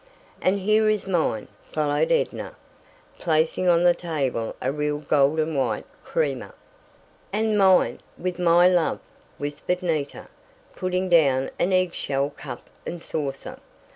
"And here is mine," followed Edna, placing on the table a real gold and white creamer. "And mine with my love," whispered Nita, putting down an egg shell cup and saucer.